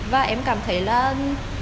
và em cảm thấy là đấy là